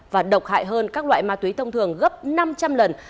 và độc hại hơn các loại ma túy thông thường gấp năm trăm linh lần